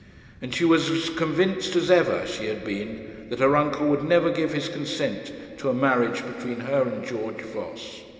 And she was as convinced as ever she had been, that her uncle would never give his consent to a marriage between her and George Voss.